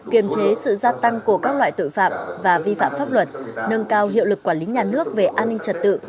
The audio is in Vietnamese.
kiềm chế sự gia tăng của các loại tội phạm và vi phạm pháp luật nâng cao hiệu lực quản lý nhà nước về an ninh trật tự